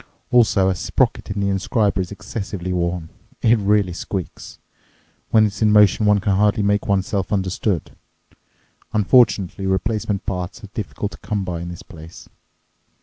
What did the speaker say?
Also a sprocket in the inscriber is excessively worn. It really squeaks. When it's in motion one can hardly make oneself understood. Unfortunately replacement parts are difficult to come by in this place.